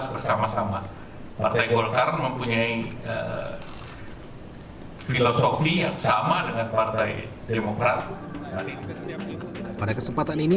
bersama sama partai golkar mempunyai filosofi yang sama dengan partai demokrat pada kesempatan ini